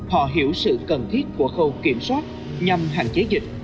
họ hiểu sự cần thiết của khâu kiểm soát nhằm hạn chế dịch